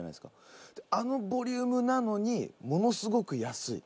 あのボリュームなのにものすごく安い。